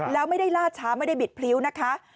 แล้วไม่ได้ล่าช้าไม่ได้บิดพริ้วนะคะ